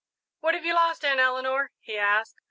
"What have you lost, Aunt Eleanor?" he asked.